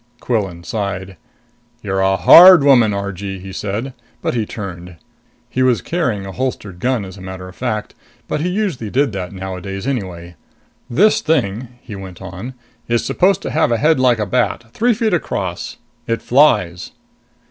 Quillan sighed. "You're a hard woman, Argee," he said. But he turned. He was carrying a holstered gun, as a matter of fact; but he usually did that nowadays anyway. "This thing," he went on, "is supposed to have a head like a bat, three feet across. It flies."